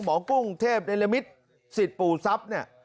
กุ้งเทพในละมิตรสิทธิ์ปู่ทรัพย์เนี่ย